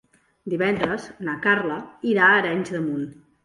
Divendres na Carla irà a Arenys de Munt.